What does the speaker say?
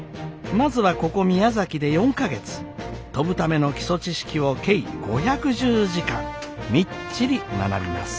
まずはここ宮崎で４か月飛ぶための基礎知識を計５１０時間みっちり学びます。